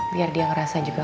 biar dia ngerasa juga